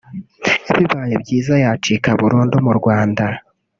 bibaye byiza yacika burundu mu Rwanda